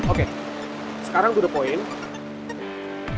oke sekarang to the point